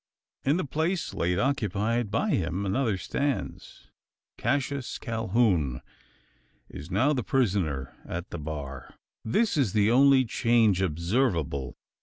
In the place late occupied by him another stands. Cassius Calhoun is now the prisoner at the bar! This is the only change observable.